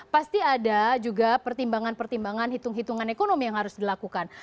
pasti ada juga pertimbangan pertimbangan hitung hitungan ekonomi yang harus dilakukan